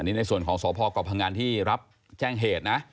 อันนี้ในส่วนของศุรภอกรอบพลงานที่รับแจ้งเหตุนะ